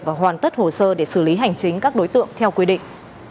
và hoàn tất hồ sơ để xử lý hành chính các đối tượng theo quy định